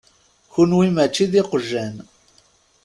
Kunwi mačči d iqjan.